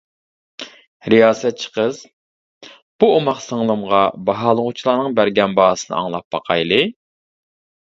رىياسەتچى قىز:بۇ ئوماق سىڭلىمغا باھالىغۇچىلارنىڭ بەرگەن باھاسىنى ئاڭلاپ باقايلى!